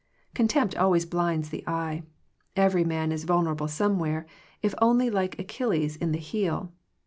Con tempt always blinds the eyes. Every man is vulnerable somewhere, if only like Achilles in the heel.